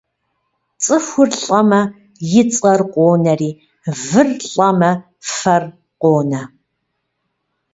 Цӏыхур лӏэмэ и цӏэр къонэри, выр лӏэмэ фэр къонэ.